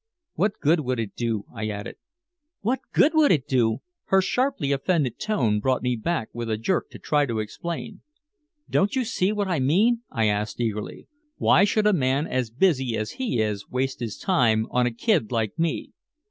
"What good would it do?" I added. "What good would it do?" Her sharply offended tone brought me back with a jerk to try to explain. "Don't you see what I mean!" I asked eagerly. "Why should a man as busy as he is waste his time on a kid like me?